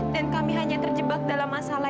dan kami hanya terjebak dalam masalah